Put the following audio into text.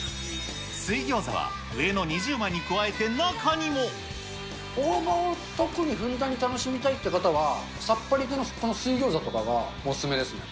水餃子は上の２０枚に加えて大葉を特にふんだんに楽しみたいって方は、さっぱりこの水餃子とかが、お勧めですね。